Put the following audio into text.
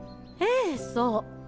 ええそう。